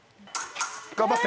頑張って！